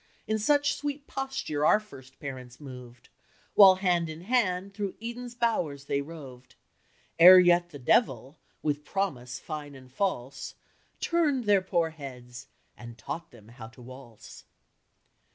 In such sweet posture our first parents moved, While, hand in hand, through Eden's bowers they roved, Ere yet the Devil, with promise fine and false, Turn'd their poor heads, and taught them how to waltz."